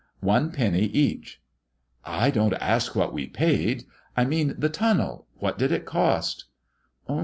"One penny each." "I don't ask what we paid. I mean the tunnel, what did it cost?"